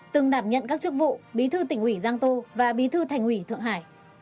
từng đảm nhận các chức vụ bí thư tỉnh ủy giang tô và bí thư thành ủy thượng hải